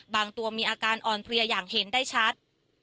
ตัวมีอาการอ่อนเพลียอย่างเห็นได้ชัด